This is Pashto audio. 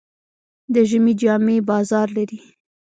د ژمي جامې بازار لري.